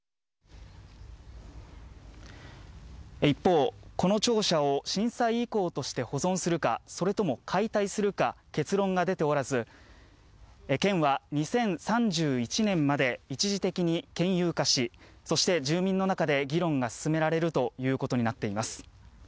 一方、この庁舎を震災遺構として保存するかそれとも解体するか結論が出ておらず県は２０３１年まで一時的に県有化しそして住民の中で議論が進められるということになっています。